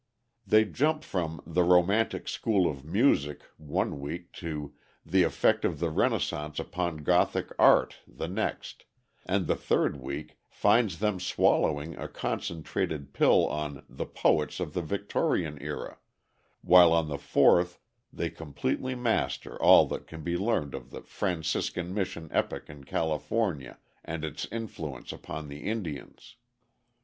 They jump from "The Romantic School of Music," one week to "The Effect of the Renaissance upon Gothic Art," the next, and the third week finds them swallowing a concentrated pill on "The Poets of the Victorian Era," while on the fourth they completely master all that can be learned of "The Franciscan Mission Epoch in California and Its Influence upon the Indians."